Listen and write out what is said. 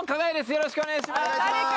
よろしくお願いします！